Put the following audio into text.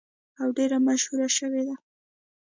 او ډیره مشهوره شوې ده.